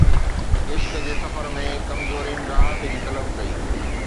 عشق جي سفر ۾، ڪمزورين راحت جي طلب ڪئي